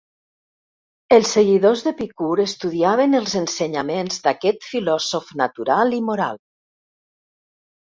Els seguidors d'Epicur estudiaven els ensenyaments d'aquest filòsof natural i moral.